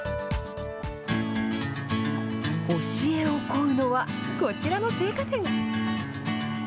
教えを乞うのは、こちらの青果店。